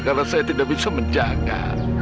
karena saya tidak bisa menjaga